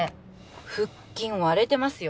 腹筋割れてますよ